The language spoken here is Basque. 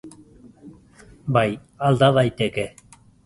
Bai, alda daiteke.